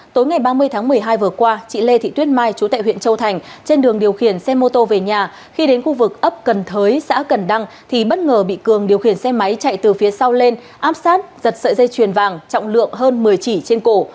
tối ngày ba mươi tháng một mươi hai vừa qua chị lê thị tuyết mai chú tại huyện châu thành trên đường điều khiển xe mô tô về nhà khi đến khu vực ấp cần thới xã cần đăng thì bất ngờ bị cường điều khiển xe máy chạy từ phía sau lên áp sát giật sợi dây chuyền vàng trọng lượng hơn một mươi chỉ trên cổ